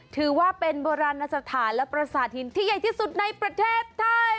ถือว่าเป็นโบราณสถานและประสาทหินที่ใหญ่ที่สุดในประเทศไทย